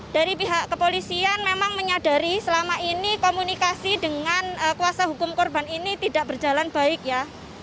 dari pihak kepolisian memang menyadari selama ini komunikasi dengan kuasa hukum korban ini tidak berjalan baik ya